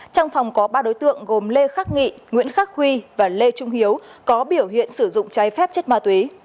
trong phòng có ba đối tượng gồm lê khắc nghị nguyễn khắc huy và lê trung hiếu có biểu hiện sử dụng trái phép chất ma túy